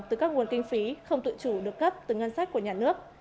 từ các nguồn kinh phí không tự chủ được cấp từ ngân sách của nhà nước